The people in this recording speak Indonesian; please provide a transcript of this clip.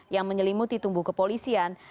yang menyelimuti tumbuh kepolisian